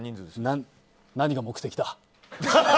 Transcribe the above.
何が目的だって。